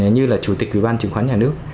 như là chủ tịch ủy ban chứng khoán nhà nước